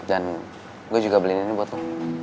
dan gue juga beli ini buat lo